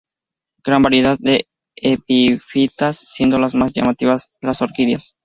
Gran variedad de epifitas, siendo las más llamativas las orquídeas.